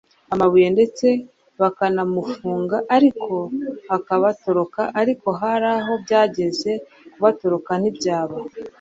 amabuye ndetse bakanamufunga ariko akabatoroka, ariko hari aho byageze kubatoroka ntibyaba